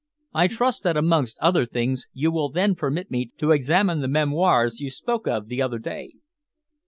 I trust that amongst other things you will then permit me to examine the memoirs you spoke of the other day."